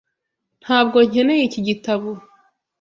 Ntabwo nkeneye iki gitabo.